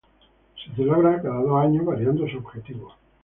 Se celebra cada dos años variando su objetivo.